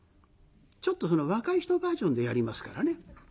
ちょっとその若い人バージョンでやりますからね。